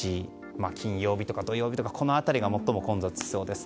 金曜日とか土曜日とかこの辺りが最も混雑しそうです。